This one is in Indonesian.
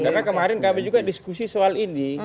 karena kemarin kami juga diskusi soal ini